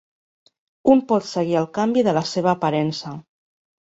Un pot seguir el canvi de la seva aparença.